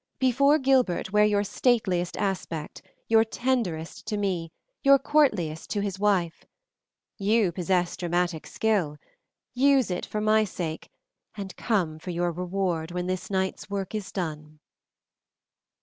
Before Gilbert wear your stateliest aspect, your tenderest to me, your courtliest to his wife. You possess dramatic skill. Use it for my sake, and come for your reward when this night's work is done."